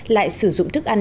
đều có thể dùng để chữa bệnh